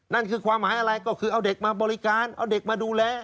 นั่นคือความหมายอะไรก็คือเอาเด็กมาบริการเอาเด็กมาดูแล